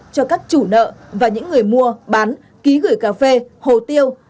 cho các chủ nợ và những người mua bán ký gửi cà phê hồ tiêu